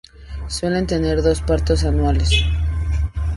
Suelen tener dos partos anuales.